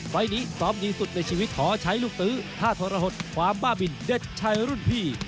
ไฟล์นี้ซ้อมดีสุดในชีวิตขอใช้ลูกตื้อท่าทรหดความบ้าบินเด็ดชัยรุ่นพี่